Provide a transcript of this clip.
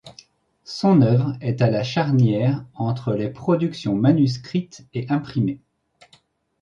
Son œuvre est à la charnière entre les productions manuscrite et imprimée.